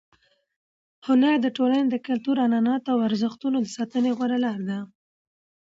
هنر د ټولنې د کلتور، عنعناتو او ارزښتونو د ساتنې غوره لار ده.